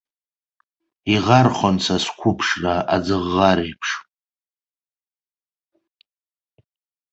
Иӷархон са сқәыԥшра аӡыӷӷареиԥш.